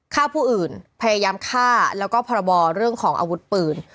ฆ่าผู้อื่นพยายามฆ่าแล้วก็พรบเรื่องของอาวุธปืน